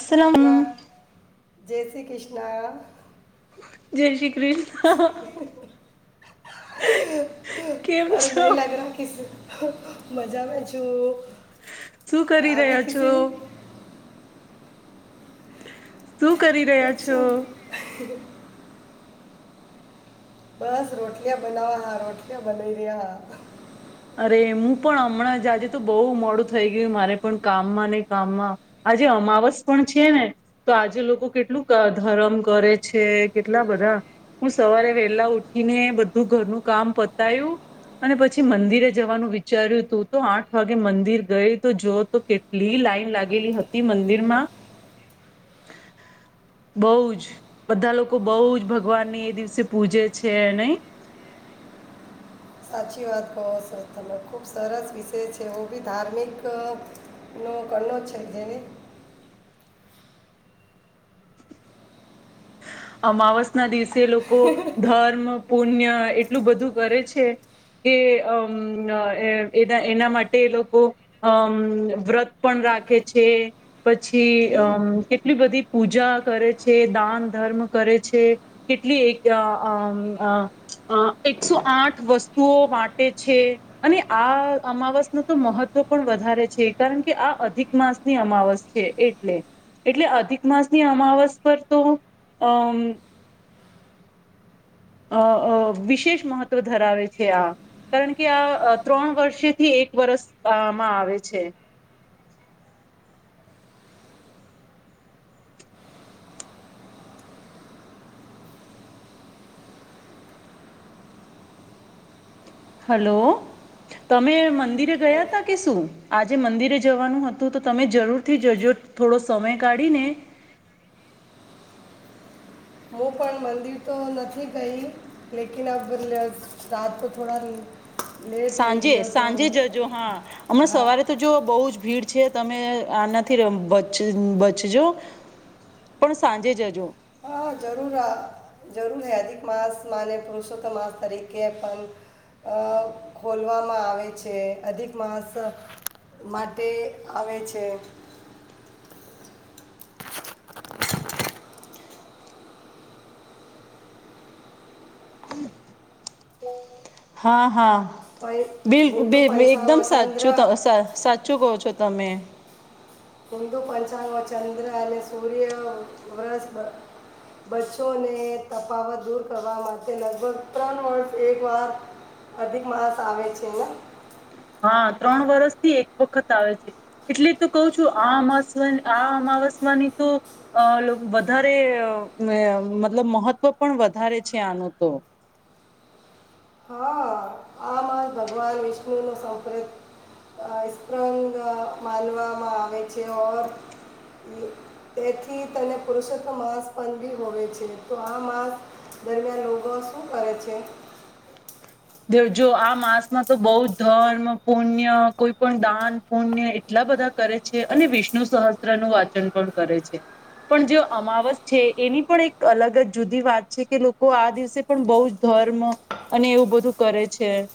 વસલમ કૃષ્ણ જય શ્રી કૃષ્ણ જય શ્રી કૃષ્ણ કેમ છો મજામાં છું શું કરી આગે રહ્યા છો કિસી ભી? શું કરી પ રહ્યા હ હ છો હ્. બસ રોટિયા બનાવા હા રોટિયા બનાવી રહ્યા હા. અરે હું પણ હમણાં જ આજે તો બહુ મોડું થઈ ગયું મારે પણ કામમાં નને કામમાં આજે અમાવસ પણ છે ને તો આજે લોકો કેટલું ધરમ કરે છે કેટલા બધા હું સવારે વેલા ઉઠીને બધું ઘરનું કામ પતાયું અને પછી મંદિર રે જવાનું વિચાર્યું હતું તો આઠ વાગે મંદિર ગય તો જો તો કેટલી લાઈન લાગેલી હતી મંદિરમાં બહુ જ બધા લોકો બહુ જ ભગવાનને એ દિવસે પૂજે છે નઇ સાચી વાત કહો છો તમે ખુબ સરસ વિષય છે એવ બી ધાર્મિક નો કરણો છે જેને અમાવસ ના દિવસે તે લોકો ધર્મ, પુણ્ય એટલું બધું કરે છે કે અમ એના એના માટે એ લોકો અમ વ્રત પણ રાખે છે પછી અમ કેટલી બધી પૂજા કરે છે દાન ધર્મ કરે છે કેટલી એક એકસો આઠ વસ્તુઓ વાટે છે અને આ અમાવસ નુ તો મહત્ત્વ પણ વધારે છે કારણ કે આ અધિક માસની અમાવસ છે એટલે એટલે અધિક માસની અમાવસ પર તો અમ અ વિશેષ મહત્વ ધરાવે છે આ કારણ કે આ ત્રણ વર્ષેથી એક વર્ષ આમાં આવે છે. હલો તમે મંદિર અ, ગયા ત કે શું? આજે મંદિરે જવાનું હતું તો તમે જરૂરથી જજો થોડો સમય કાઢીને હું પણ મંદિર તો નથી ગઈ લેકિન અ રાત તો થોડા લેટ થઈ સાંજે ગયો તો સાંજે જજો હા હમણાં હા સવારે તો જો બહુ જ ભીડ છે તમે આનાથી બચ બચજો પણ સાંજે જજો હ જરૂર જરૂર હ અધિક માસ મને પુરુષોત્તમ માસ તરીકે પણ ખોલવામાં આવે છે અધિક માસ માટે આવે છે. હા હા. પણ બિલ હિન્દુ બિલકુલ એકદમ પંચાંગ ચંદ્ર સાચું ત સાચું કહો છો તમે હિદુ પંચાંગો ચંદ્ર અને સૂર્ય વ્રત બચચોને તફાવત દૂર કરવા માટે લગભગ ત્રણ વર્ષ એક વાર અધિક માસ આવે છે. ન હા ત્રણ વરષથી એક વખત આવે છે એટલે તો કહઉ છું આ અમાસ આ અમાવસ્યાની તો અ વધારે મતલબ મહત્વ પણ વધારે છે આનો તો હા આમાં ભગવાન વિષ્ણુ નુ સંપ્રપંગ માનવામાં આવે છેર તેથી તને પુરુષોત્મ માસ પણ બી હોય છે તો આ માસ દરમિયાન લોગો શું કરે છે. દેવ જો આ માસમાં તો બહુ જ ધર્મ પુણ્ય કોઈ પણ દાન પુણ્ય એટલા બધા કરે છે અને વિષ્ણુ સહસ્ત્ર નું વાચન પણ કરે છે, પણ જે અમાવસ છે એની પણ એક અલગ જ જુદી વાત છે કે લોકો આ દિવસે પણ બહુ જ ધર્મ અને એવું બધું કરે છે.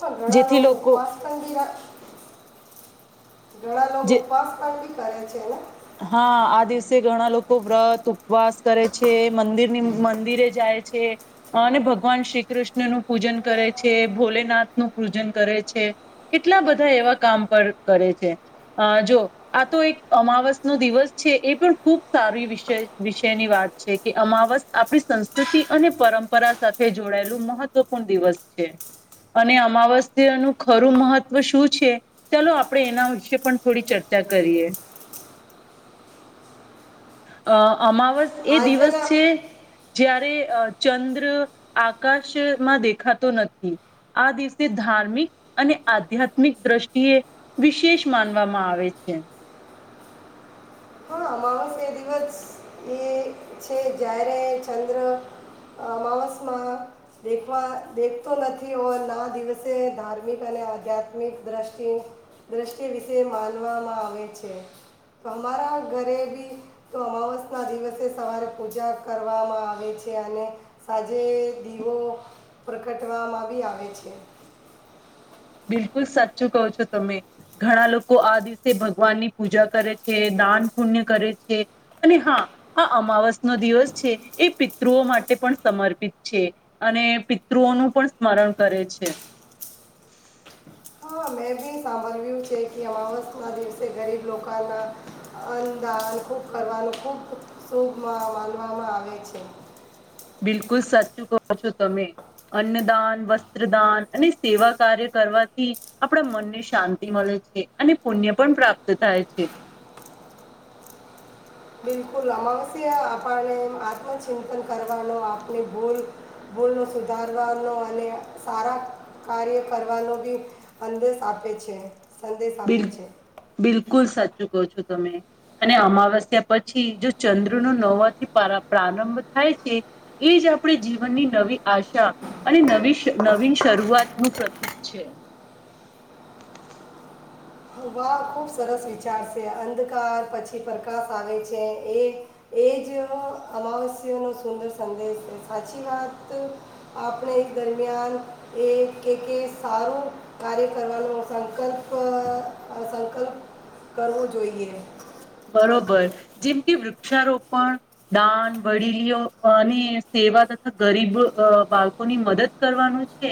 હા, ઘણા જેથી લોકો ઉપવાસ પણ બી રા- જે. કરો છેન હા આ દિવસે ઘણા લોકો વ્રત ઉપવાસ કરે છે મંદિરની મંદિરે જાય છે અને ભગવાન શ્રી કૃષ્ણનું પૂજન કરે છે, ભોલેનાથ નું પૂજન કરે છે, કેટલા બધા એવા કામ પર કરે છે જો આ તો એક અમાવસ્ દ છે એ પણ ખૂબ સારી વિષ વિષયની વાત છે કે અમાવસ્યા આપણી સંસ્કૃતિ અને પરંપરા સાથે જોડાયેલું મહત્વપૂર્ણ દિવસ છે અને અમાવસ્યાનું ખરું મહત્વ શું છે ચાલો આપણે એના વિશે પણ થોડી ચર્ચા કરીએ. અહ અમાવાસ એ દિવસ આજના છે. જારે ચંદ્ર આકાશમાં દેખાતો નથી આ દિવસે ધાર્મિક અને આધ્યાત્મિક દ્રષ્ટિએ વિશેષ માનવામાં આવે છે. હા અમાવસ્ય દિવસ એ છે જય્યારે ચંદ્ર અમાવસમાં દેખવા દેખતો નથી હો ના દિવસે ધાર્મિક અને આધ્યાત્મિક દ્રષ્ટિ દ્રષ્ટિ વિશે માનવામાં આવે છે તો અમારા ઘરે બી તો અમાવસના દિવસે સવારે પૂજા કરવામાં આવે છે અને સાંજે દીવો પ્રગટવામાં આવી આવે છે. બિલકુલ સાચું કહો છો તમે ઘણા લોકો આ દિવસે ભગવાનની પૂજા કરે છે, દાન પુણ્ય કરે છે, અને હા આ અમાવસ ન દિવસ છે એ પિતૃઓ માટે પણ સમર્પિત છે, અને પિતૃઓનું પણ સ્મરણ કરે છે. હા મેં બી સાંભળ્યું કે અમાવસના દિવસે ગરીબ લોકોના અન્નદાન ખૂબ કરવાનું ખૂબ શુભ માનવામાં આવે છે. બિલકુલ સાચું કો છો તમે અન્નદાન વસ્ત્રદાન અને સેવા કાર્ય કરવાથી આપણા મનને શાંતિ મળે છે અને પુણ્ય પણ પ્રાપ્ત થાય છે. બિલકુલ અમાવસ્યા આપને આત્મચિંતન કરવાનો આપણે ભૂલ ભૂલ ન સુધારવાનો અને સારા કાર્ય કરવાનો બી અદેશ આપે છે. સંદેશ બિલ આપે છે બિલકુલ સચ ચૂકો છો તમે અને અમાવસ્યા પછી જો ચંદ્ર નો નવાથી પ્રારંભ થાય છે એ જ આપણે જીવનની નવી આશા અને નવી નવીન શરૂઆતનું પ્રતીક છે. હવા ખૂબ સરસ વિચાર છે અંધકાર પછી પ્રકાશ આવે છે એ એ જ અમાવસ્યાનો સુંદર સંદેશ છે સાચી વાત આપણે દરમિયાન એ કે કે સારું કાર્ય કરવાનો સંકલ્પ અ સંકલ્પ કરવો જોઈએ બરોબર જેમ કે વૃક્ષારોપણ દાન વડીલીઓ અને સેવા તથા ગરીબ બાળકોની મદદ કરવાનું છે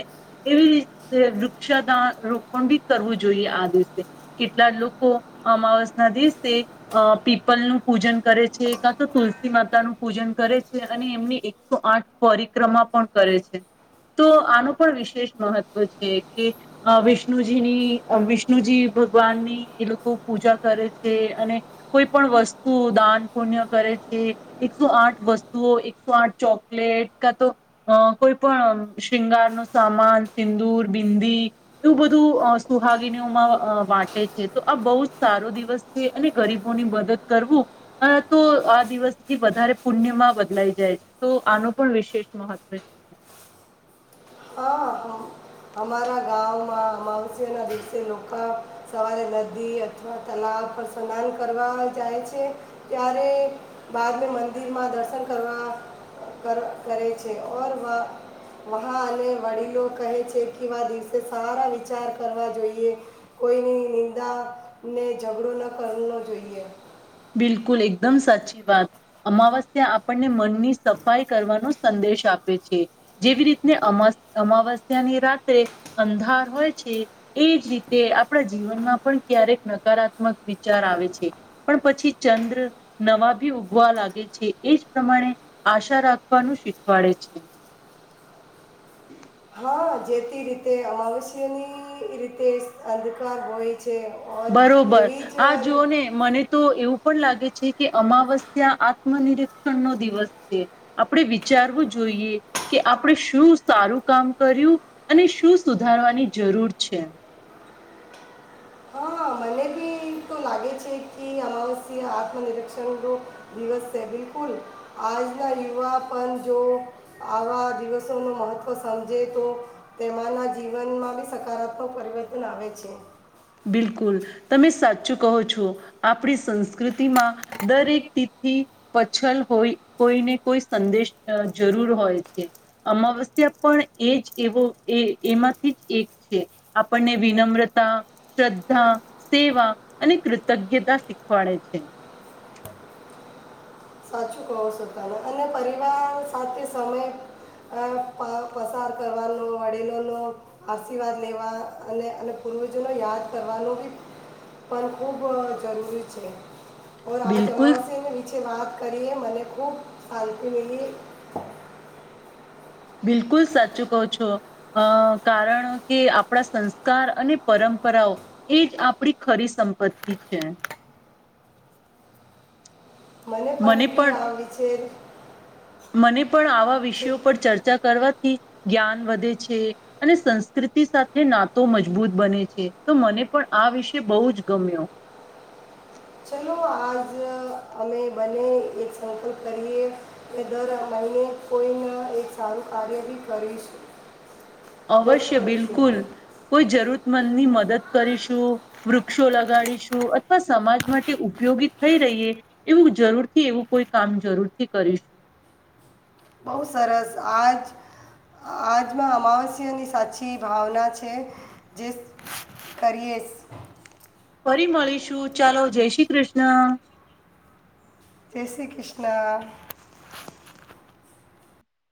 એવી રીતે વૃક્ષા દાન રોપણ બી કરવું જોઈએ આ દિવસે કેટલા લોકો અમાવસના દિવસે અ પીપલનું પૂજન કરે છે કા તો તુલસી માતાનુંું પૂજન કરે છે અને એમની એકસો આઠ પરિક્રમા પણ કરે છે તો આનો પણ વિશેષ મહત્ત્વ છે કે વિષ્ણુજીની વિષ્ણુજી ભગવાનની એ લોકો પૂજા કરે છે અને કોઈ પણ વસ્તુ દાન પુણ્ય કરે છે એકસો આઠ વસ્તુઓ એકસો આઠ ચોકલેટ કા તો અ કોઈ પણ શૃંગાર ન સામાન સિંદુર બિંદી એવું બધું સુહાગીનીઓમાં વાંટે છે તો આ બહુ જ સારો દિવસ છે અને ગરીબ ની મદદ કરવું તો આ દિવસથી વધારે પુણ્યમાં બદલાઈ જાય છે તો આનો પણ વિશેષ મહત્વ છે અરા ગમાંવસ ના દિવસે લોકો સવારે નદી અથવા તલાવ પર સ્નાન કરવા જાય છે ત્યારે બાદ મંદિરમાં દર્શન કરવા કરે છેરહ અને વડીલો કહે છે વા દિવસે સારા વિચાર કરવા જોઈએ કોઈની નિંદા ને ઝઘડો ન કર જોઈએ બિલકુલ એકદમ સાચી વાત અમાવસ્યા આપણને મનની સફાઈ કરવાનો સંદેશ આપે છે જેવી રીતને અમાવસ્યાની રાત્રે અંધાર હોય છે એજ રીતે આપણા જીવનમાં પણ ક્યારેક નકારાત્મક વિચાર આવે છે પણ પછી ચંદ્ર નવા ભી ઉગવા લાગે છે એ જ પ્રમાણે આશા રાખવાનું શીખવાડે છે જેથી રીતે અમાવસ્યની રીતે અંધકાર હોય છે ઓર બરોબર એવી જ આ રી- જોઓ ને મને તો એવું પણ લાગે છે કે અમાવસ્યા આત્મ નિરીક્ષણ નો દિવસ છે આપણે વિચારવું જોઈએ કે આપણે શું સારું કામ કર્યું અને શું સુધારવાની જરૂર છે લ છે કે અમાવસ્ય આત્મનિરીક્ષણનો દિવસ છે બિલકુલ આજના યુવા પણ જો આવા દિવસોનું મહત્ત્વ સમજે તો તેમાંના જીવનમાં બી સકારાત્મક પરિવર્તન આવે છે બિલકુલ તમે સાચું કહો છો આપણી સંસ્કૃતિમાં દરેક તિથિ પછલ હોય કોઈને કોઈ સંદેશ જરૂર હોય છે અમાવસ્યા પણ એ જ એવો એ એમાંથી જ એક છે આપણને વિનમ્રતા શ્રદ્ધા સેવા અને કૃતજ્ઞતા શીખવાડે છે [inaudible] સમય પ- પસાર કરવાનો વડીલોનો આશીર્વાદ લેવા અને અને પૂર્વજોને યાદ કરવાનું બી પણ ખૂબ જરૂરી છે ઓ આજ બિલકુલ અમાઉસને પીછે વાત કરીએ મને ખૂબ હલ્તી મીલી બિલકુલ સાચું કહ છો અ કારણ કે આપણા સંસ્કાર અને પરંપરાઓ એ જ આપણી ખરી સંપત્તિ છે મને પણ બી આ વિચે મને પણ આવા વિષયો પર ચર્ચા કરવાથી જ્ઞાન વધે છે અને સંસ્કૃતિ સાથે નાતો મજબૂત બને છે તો મને પણ આ વિષ બહુ જ ગમ્યો ચલો આજ અમે બને એક સંકલ્પ કરીએ કે દર મહિને કોઈને એક સારું કાર્ય બી કરીશું જરૂર અવશ્ય કરીશું બિલકુલ કોઈ જરૂરત મનની મદદ કરીશું વૃક્ષો લગાડીશું અથવા સમાજ માટે ઉપયોગી થઈ રહીએ એવું જરૂરથી એવું કોઈ કામ જરૂરથી કરીશું બહુ સરસ આજ આજમાં અમાવસ્યાની સાચી ભાવના છે જે કરીએ ફરી મળીશું ચાલો જય શ્રી કૃષ્ણ કે શ્રી કૃષ્ણ